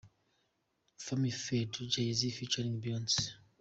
"Family Feud" — Jay-Z Featuring Beyoncé.